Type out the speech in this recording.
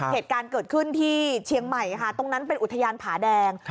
เหตุการณ์เกิดขึ้นที่เชียงใหม่ค่ะตรงนั้นเป็นอุทยานผาแดง